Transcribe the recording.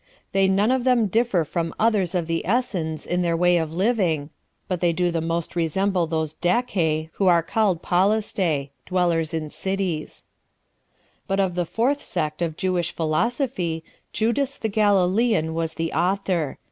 They none of them differ from others of the Essens in their way of living, but do the most resemble those Dacae who are called Polistae 4 [dwellers in cities]. 6. But of the fourth sect of Jewish philosophy, Judas the Galilean was the author.